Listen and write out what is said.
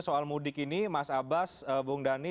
soal mudik ini mas abbas bung dhani